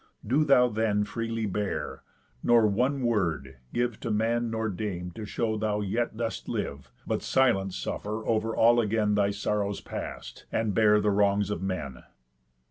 Do thou then freely bear, nor one word give To man nor dame to show thou yet dost live, But silent suffer over all again Thy sorrows past, and bear the wrongs of men."